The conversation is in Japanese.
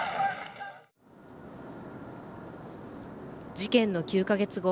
事件の９か月後